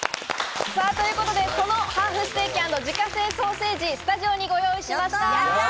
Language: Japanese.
ハーフステーキ＆自家製ソーセージ、スタジオにご用意しました。